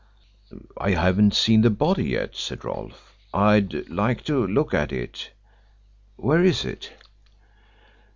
"I haven't seen the body yet," said Rolfe. "I'd like to look at it. Where is it?"